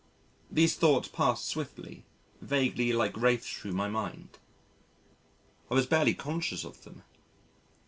These thoughts passed swiftly, vaguely like wraiths thro' my mind: I was barely conscious of them.